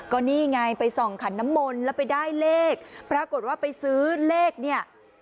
ก็นี่ไงไปส่องขันน้ำมนต์แล้วไปได้เลขปรากฏว่าไปซื้อเลขเนี่ย